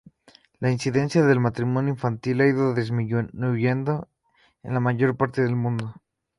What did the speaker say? La incidencia del matrimonio infantil ha ido disminuyendo en la mayor parte del mundo.